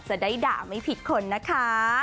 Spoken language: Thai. จะได้ด่าไม่ผิดคนนะคะ